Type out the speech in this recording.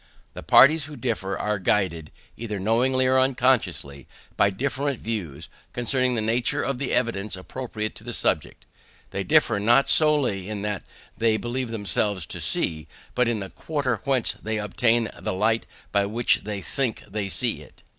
The parties who differ are guided, either knowingly or unconsciously, by different views concerning the nature of the evidence appropriate to the subject. They differ not solely in what they believe themselves to see, but in the quarter whence they obtained the light by which they think they see it.